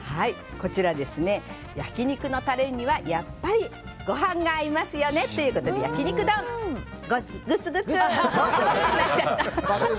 こちら、焼き肉のタレにはやっぱりごはんが合いますよねということで焼き肉丼、グツグツ！